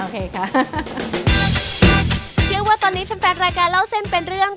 เชื่อว่าตอนนี้แฟนรายการเล่าเส้นเป็นเรื่อง